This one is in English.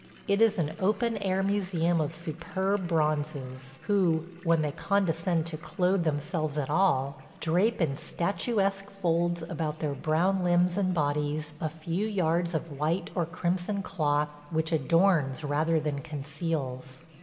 It is an open air museum of superb bronzes, who, when they condescend to clothe themselves at all, drape in statuesque folds about their brown limbs and bodies a few yards of white or crimson cloth, which adorns rather than conceals.